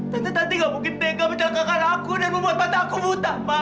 tante tanti nggak mungkin tega mencalakkan aku dan membuat mata aku buta ma